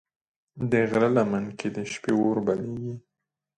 د غره لمن کې د شپې اور بلېږي.